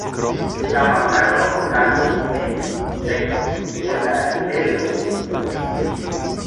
La masakro okazis en kunteksto kun la ribelo en Sirio.